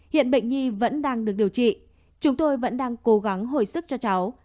hiện bệnh nhi vẫn đang được điều trị chúng tôi vẫn đang cố gắng hồi sức cho cháu